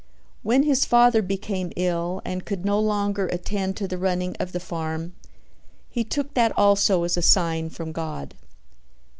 When his father became ill and could no longer attend to the running of the farm, he took that also as a sign from God.